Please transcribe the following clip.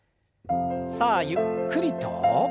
さあゆっくりと。